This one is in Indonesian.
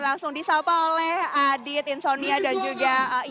langsung disapa oleh adit insonia dan juga iyas lawrence